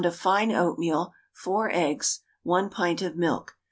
of fine oatmeal, 4 eggs, 1 pint of milk.